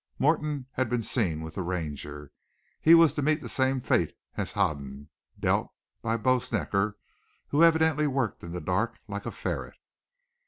Morton had been seen with the Ranger. He was to meet the same fate as Hoden, dealt by Bo Snecker, who evidently worked in the dark like a ferret.